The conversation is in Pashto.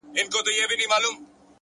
پرمختګ د ثابتو هڅو محصول دی.!